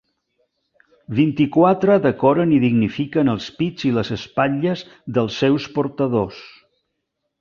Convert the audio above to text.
Vint-i-quatre decoren i dignifiquen els pits i les espatlles dels seus portadors.